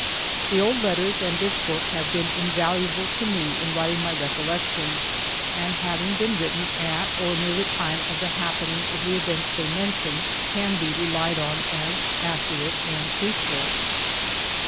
The old letters and this book have been invaluable to me in writing my recollections, and having been written at or near the time of the happening of the events they mention, can be relied on as accurate and truthful.